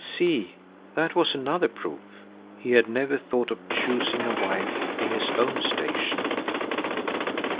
See, that was another proof,—he had never thought of choosing a wife in his own station.